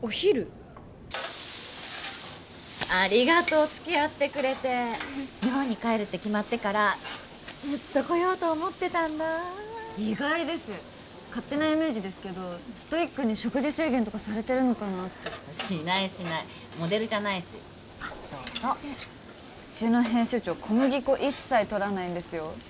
ありがとう付き合ってくれて日本に帰るって決まってからずっと来ようと思ってたんだ意外です勝手なイメージですけどストイックに食事制限とかされてるのかなってしないしないモデルじゃないしどうぞすいませんうちの編集長小麦粉一切とらないんですよ